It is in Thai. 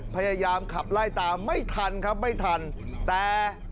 พยายามขับไล่ตามไม่ทันครับไม่ทันแต่